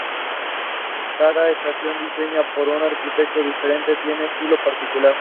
Cada estación, diseñada por un arquitecto diferente, tiene su estilo particular.